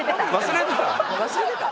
忘れてた。